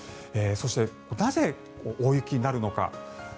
そして、なぜ大雪になるのか。